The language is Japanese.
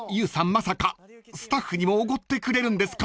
まさかスタッフにもおごってくれるんですか？］